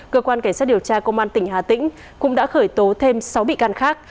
cơ quan cảnh sát điều tra công an tỉnh hà tĩnh cũng đã khởi tố thêm sáu bị can khác